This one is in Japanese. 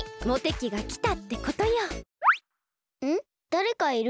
だれかいる？